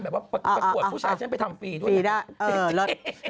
แบบว่าประกวดผู้ชายฉันไปทำฟรีด้วยนะครับฟรีด้ะเออละ